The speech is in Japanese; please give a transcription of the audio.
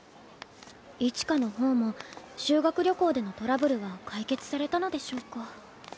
一花の方も修学旅行でのトラブルは解決されたのでしょうか